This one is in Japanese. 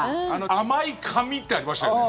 甘い紙ってありましたよね。